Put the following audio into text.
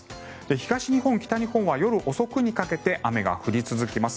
東日本、北日本は夜遅くにかけて雨が降り続きます。